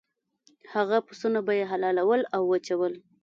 هغه پسونه به یې حلالول او وچول.